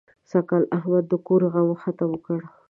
سږکال احمد د کور غم ختم کړ.